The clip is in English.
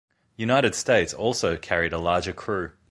"United States" also carried a larger crew.